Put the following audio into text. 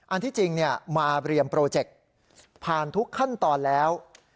อันที่จริงมาเรียมโปรเจกต์ผ่านทุกขั้นตอนแล้ว